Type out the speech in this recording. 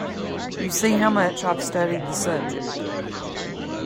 You see how much I have studied the subject.